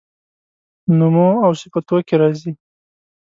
نومواوصفتوکي راځي